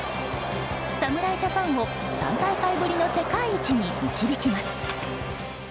侍ジャパンを３大会ぶりの世界一に導きます。